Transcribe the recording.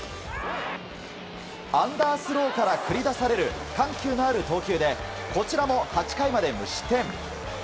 アンダースローから繰り出される緩急のある投球でこちらも８回まで無失点。